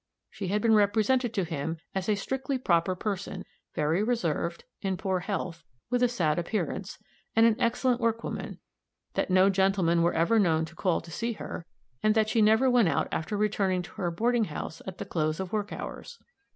She had been represented to him as a "strictly proper" person, very reserved, in poor health, with a sad appearance, and an excellent workwoman that no gentlemen were ever known to call to see her, and that she never went out after returning to her boarding house at the close of work hours.